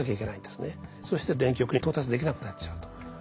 そして電極に到達できなくなっちゃうと。